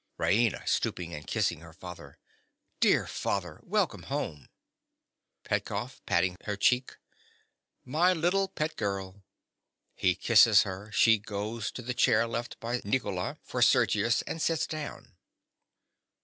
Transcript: _) RAINA. (stooping and kissing her father). Dear father! Welcome home! PETKOFF. (patting her cheek). My little pet girl. (_He kisses her; she goes to the chair left by Nicola for Sergius, and sits down.